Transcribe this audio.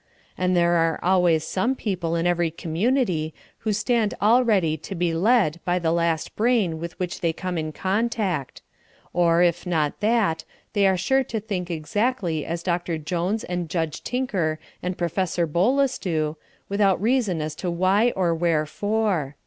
And there are always some people in every community who stand all ready to be led by the last brain with which they come in contact; or, if not that, they are sure to think exactly as Dr. Jones and Judge Tinker and Prof. Bolus do, without reason as to why or wherefore.